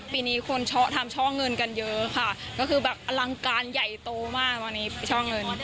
ปีนี้คนทำช่อเงินกันเยอะค่ะก็คือแบบอลังการใหญ่โตมากตอนนี้ช่อเงิน